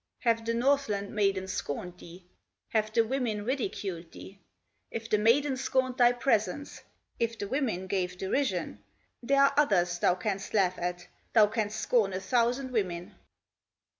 Have the Northland maidens scorned thee, Have the women ridiculed thee? If the maidens scorned thy presence, If the women gave derision, There are others thou canst laugh at, Thou canst scorn a thousand women."